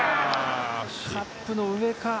カップの上か。